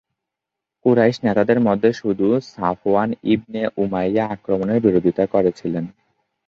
কুরাইশ নেতাদের মধ্যে শুধু সাফওয়ান ইবনে উমাইয়া আক্রমণের বিরোধিতা করেছিলেন।